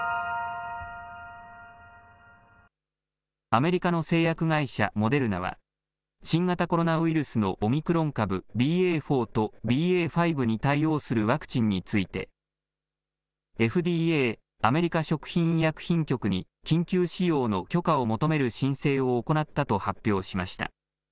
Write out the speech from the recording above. アメリカの製薬会社、モデルナは新型コロナウイルスのオミクロン株、ＢＡ．４とＢＡ．５に対応するワクチンについてＦＤＡ・アメリカ食品医薬品局に緊急使用の許可を求める申請を行ったと発表しました。